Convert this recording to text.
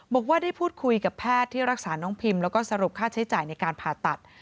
บอกว่าได้พูดคุยกับแพทย์ที่รักษาน้องพิมแล้วก็สรุปค่าใช้จ่ายในการผ่าตัด